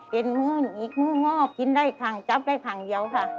เป็นมืออีกมือง่อกินได้ครั้งจับได้ครั้งเดียวค่ะ